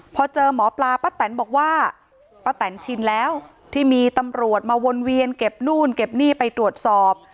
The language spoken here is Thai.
พอเจอหมอปลาป้าแตนบอกว่าป้าแตนชินแล้วที่มีตำรวจมาวนเวียนเก็บนู่นเก็บนี่ไปตรวจสอบ